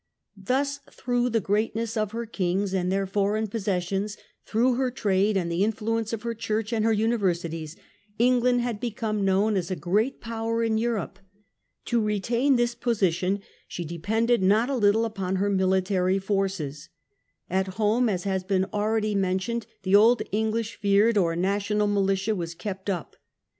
Thus through the greatness of her kings and their foreign possessions, through her trade and the influence of her church and her universities, England had become known as a great power in Europe. To retain this position she depended not a little upon her The army military forces. At home, as has been already d) national mentioned, the old English fyrd or national •*"'^' militia was kept up.